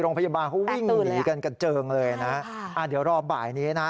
โรงพยาบาลเขาวิ่งหนีกันกระเจิงเลยนะเดี๋ยวรอบ่ายนี้นะ